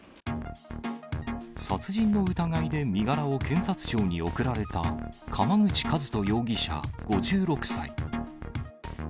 殺人の疑いで、身柄を検察庁に送られた、川口和人容疑者５６歳。